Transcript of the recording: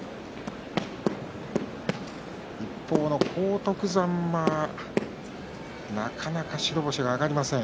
一方の荒篤山はなかなか白星が挙がりません